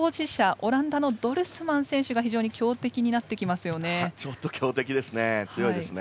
オランダのドルスマン選手が非常に強敵になってきますね。